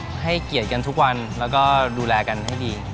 ให้เกียรติกันทุกวันแล้วก็ดูแลกันให้ดี